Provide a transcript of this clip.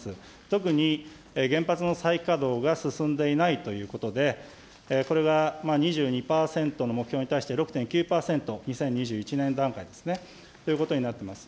特に原発の再稼働が進んでいないということで、これが２２％の目標に対して６．９％、２０２１年段階ですね、ということになっています。